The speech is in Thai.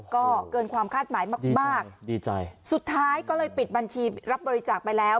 ก็เกินความคาดหมายมากมากดีใจสุดท้ายก็เลยปิดบัญชีรับบริจาคไปแล้ว